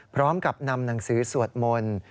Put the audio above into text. พร้อมกับนำหนังสือสวดมนต์